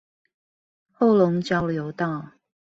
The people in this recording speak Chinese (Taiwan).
後龍交流道